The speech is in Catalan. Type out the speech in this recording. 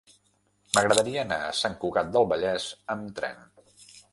M'agradaria anar a Sant Cugat del Vallès amb tren.